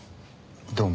どうも。